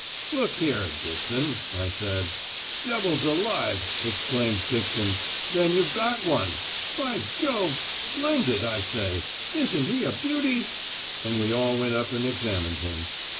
"Look here, Dixon," I said. "Devil's alive," exclaimed Dixon. "Then you've got one. By Jove! Splendid! I say, isn't he a beauty?" And we all went up and examined him.